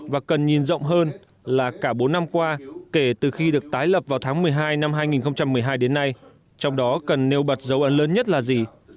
và cần nhìn rộng hơn là cả bốn năm qua kể từ khi được tái lập vào tháng một mươi hai năm hai nghìn một mươi hai đến nay trong đó cần nêu bật dấu ấn lớn nhất là gì